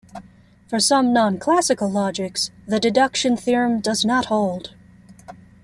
For some non-classical logics, the deduction theorem does not hold.